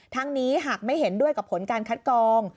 ทั้งนี้หากไม่เห็นด้วยกับผลการคัดกอง